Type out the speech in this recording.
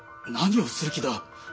何をする気だ？